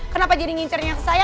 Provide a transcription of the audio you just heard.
kenapa jadi ngincernya ke saya